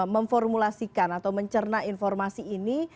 memformulasikan atau mencerna informasi ini